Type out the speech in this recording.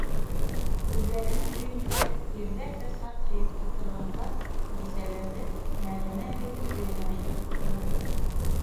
Үҙҙәренең өйөндә ирҙәр ҙә саҡ һыйып ултырғанға, бисәләрҙе Нәғимә әбейҙең өйөнә ултырттылар.